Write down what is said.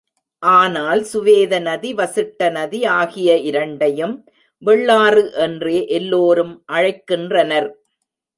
ஆனால் சுவேத நதி, வசிட்ட நதி ஆகிய இரண்டையும் வெள்ளாறு என்றே எல்லோரும் அழைக்கின்றனர்.